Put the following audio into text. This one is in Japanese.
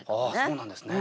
そうなんですね。